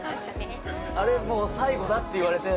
宮田：あれ、もう最後だって言われて。